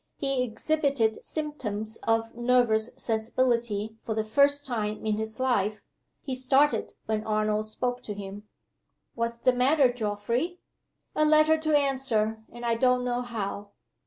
He exhibited symptoms of nervous sensibility for the first time in his life he started when Arnold spoke to him. "What's the matter, Geoffrey?" "A letter to answer. And I don't know how."